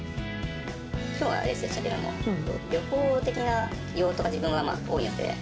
きょうはレースでしたけども、旅行的な用途が自分は多いんで。